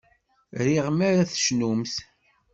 Riɣ mi ara tcennumt.